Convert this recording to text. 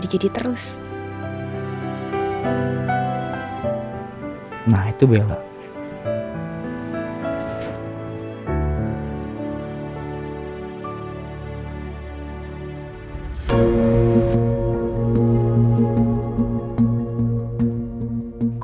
kok adi kesini ngajakin felis sih